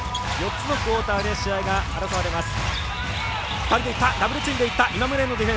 ４つのクオーターで試合が争われます。